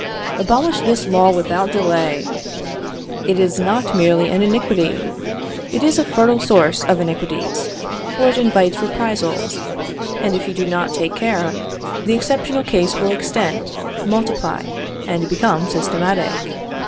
Abolish this law without delay; it is not merely an iniquity it is a fertile source of iniquities, for it invites reprisals; and if you do not take care, the exceptional case will extend, multiply, and become systematic.